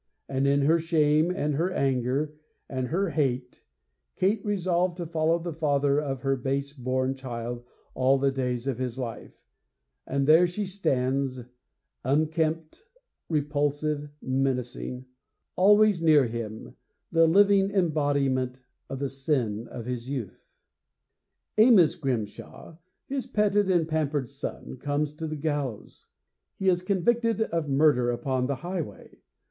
And, in her shame and her anger and her hate, Kate resolved to follow the father of her base born child all the days of his life; and there she stands unkempt, repulsive, menacing always near him, the living embodiment of the sin of his youth. Amos Grimshaw, his petted and pampered son, comes to the gallows. He is convicted of murder upon the highway.